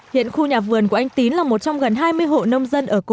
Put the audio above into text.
hiện khu nhà vườn của anh tín là một trong gần hai mươi hộ nông dân ở cồn sơn